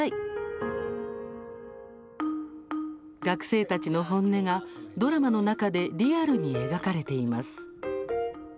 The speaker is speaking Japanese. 学生たちの本音が、ドラマの中でリアルに描かれています。